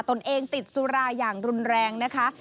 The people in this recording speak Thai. ตนเองติดสุราอย่างรุนแรงนะคะ